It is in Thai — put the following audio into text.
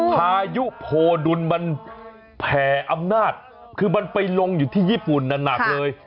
พายุโพดุลมันแผ่อำนาจคือมันไปลงอยู่ที่ญี่ปุ่นหนักเลย